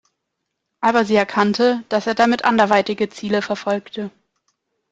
Aber sie erkannte, dass er damit anderweitige Ziele verfolgte.